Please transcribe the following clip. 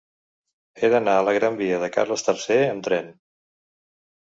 He d'anar a la gran via de Carles III amb tren.